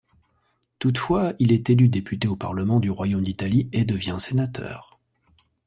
Toutefois, il est élu député au parlement du royaume d'Italie et devient sénateur.